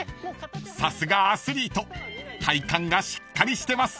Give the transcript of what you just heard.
［さすがアスリート体幹がしっかりしてます］